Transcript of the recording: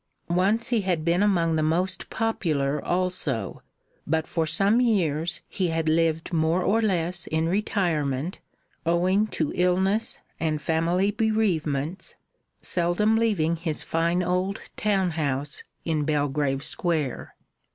Once he had been among the most popular also, but for some years he had lived more or less in retirement, owing to illness and family bereavements, seldom leaving his fine old town house in Belgrave Square.